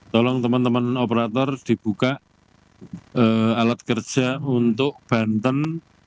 tolong teman teman operator dibuka alat kerja untuk banten